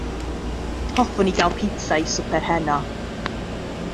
Hoffwn i gael pizza i swper heno.